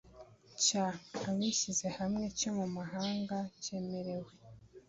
Cy abishyizehamwe cyo mu mahanga cyemerewe